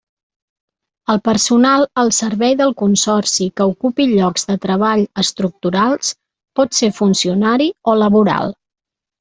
El personal al servei del Consorci que ocupi llocs de treball estructurals pot ser funcionari o laboral.